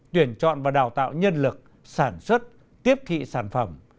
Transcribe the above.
tuyển chọn và đào tạo nhân lực sản xuất tiếp thị sản phẩm